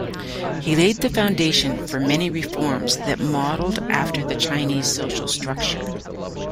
He laid the foundation for many reforms that modelled after the Chinese social structure.